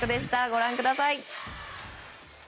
ご覧ください。